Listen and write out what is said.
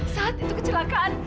saat itu kecelakaan